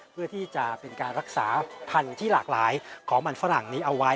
เพื่อที่จะเป็นการรักษาพันธุ์ที่หลากหลายของมันฝรั่งนี้เอาไว้